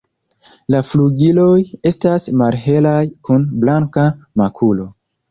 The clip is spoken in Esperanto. La flugiloj estas malhelaj kun blanka makulo.